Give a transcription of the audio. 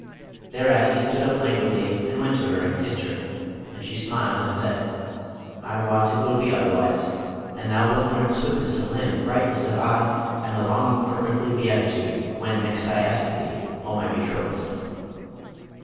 Thereat he stood up languidly, and went to her and kissed her. And she smiled and said, 'I wot it will be otherwise, and thou wilt learn swiftness of limb, brightness of eye, and the longing for earthly beatitude, when next I ask thee, O my betrothed!'